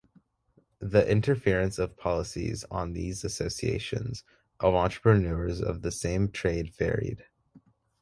The interference of policies on these associations of entrepreneurs of the same trade varied.